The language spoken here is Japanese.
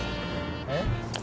えっ？